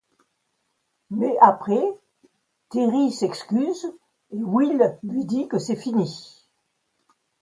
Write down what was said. Mais après Terri s'excuse, Will lui dit que c'est fini.